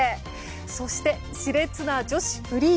そして熾烈な女子フリー。